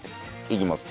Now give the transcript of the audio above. いきます。